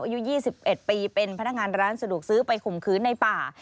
อายุ๒๑ปีเป็นพนักงานร้านสะดวกซื้อไปข่มขืนในป่า